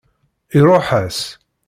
Iṛuḥ-as.